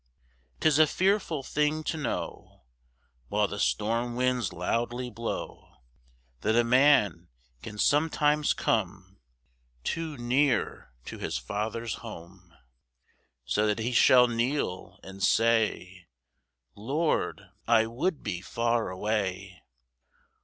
'Tis a fearful thing to know, While the storm winds loudly blow, That a man can sometimes come Too near to his father's home; So that he shall kneel and say, "Lord, I would be far away!"